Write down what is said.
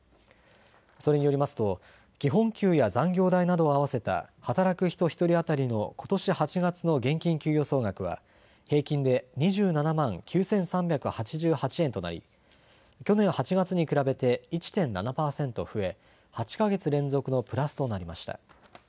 それによりますと基本給や残業代などを合わせた働く人１人当たりのことし８月の現金給与総額は平均で２７万９３８８円となり去年８月に比べて１．７％増え８か月連続のプラスとなりました。